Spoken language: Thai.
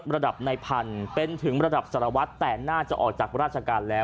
ระดับในพันธุ์เป็นถึงระดับสารวัตรแต่น่าจะออกจากราชการแล้ว